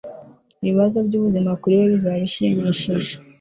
Ibibazo byubuzima kuri we bizaba bishimishije